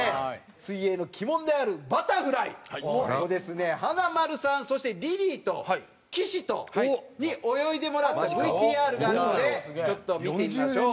水泳の鬼門であるバタフライをですね華丸さんそしてリリーと岸に泳いでもらったＶＴＲがあるのでちょっと見てみましょう。